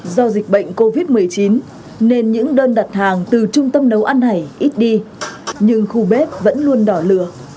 do dịch bệnh covid một mươi chín nên những đơn đặt hàng từ trung tâm nấu ăn này ít đi nhưng khu bếp vẫn luôn đỏ lửa